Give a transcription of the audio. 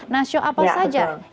nah show apa saja yang akan mendukung